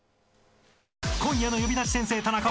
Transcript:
今夜の「呼び出し先生タナカ」